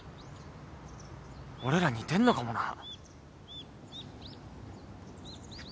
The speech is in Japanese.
俺ら似てんのかもな。